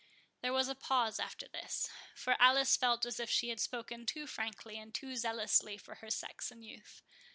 There was a pause after this; for Alice felt as if she had spoken too frankly and too zealously for her sex and youth.